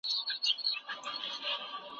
ساعت خپل غږ له لاسه ورکړی و او وخت ولاړ و.